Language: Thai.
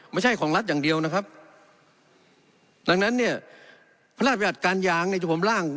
ไม่ใช่ของรัฐอย่างเดียวนะครับดังนั้นเนี้ยพระราชวิทยาลัยการยางในจุดผมล่าง